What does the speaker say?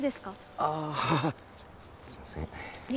ああははすいませんい